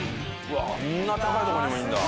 わああんな高いとこにもいるんだ。